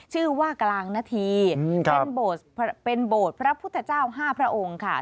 ชื่อว่ากลางนาทีเป็นโบสถ์พระพุทธเจ้าห้าพระองค์ค่ะ